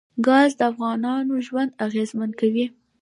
ګاز د افغانانو ژوند اغېزمن کوي.